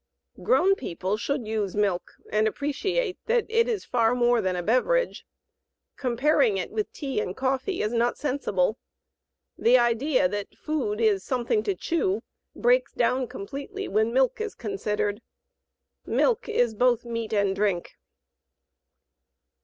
Grown people should use milk and appreciate that it is far more than a beverage. Comparing it with tea and coffee is not sensible. The idea that food is "something to chew" breaks down completely when milk is considered. "Milk is both meat and drink."